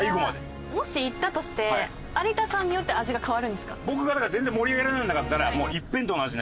もし行ったとして有田さんによって味が変わるんですか？